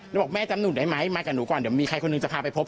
แล้วบอกแม่จำหนูได้ไหมมากับหนูก่อนเดี๋ยวมีใครคนหนึ่งจะพาไปพบ